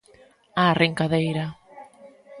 A arrincadeira.